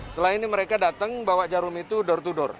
setelah ini mereka datang bawa jarum itu door to door